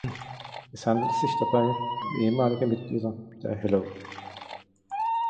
Es handelt sich dabei um ehemalige Mitglieder der Hello!